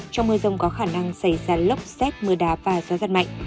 trong mưa rông có khả năng xảy ra lốc xét mưa đá và gió giật mạnh